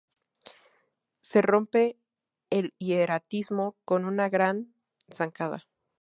Se rompe el hieratismo con una gran zancada.